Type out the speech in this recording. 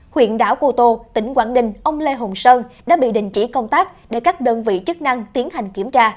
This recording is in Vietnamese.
huyện đảo cô tô tỉnh quảng đình ông lê hồng sơn đã bị đình chỉ công tác để các đơn vị chức năng tiến hành kiểm tra